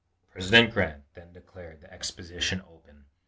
President Grant then declared the exposition open.